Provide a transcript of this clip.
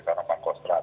seorang pangkos terat